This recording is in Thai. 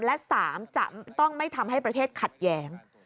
และ๓จะต้องไม่ทำให้ประเทศขัดแย้ง